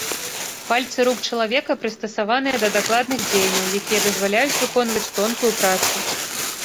Пальцы рук чалавека прыстасаваныя да дакладных дзеянняў, якія дазваляюць выконваць тонкую працу.